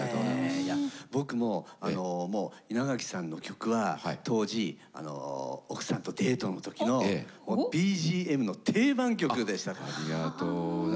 いや僕もあのもう稲垣さんの曲は当時奥さんとデートの時のＢＧＭの定番曲でしたから。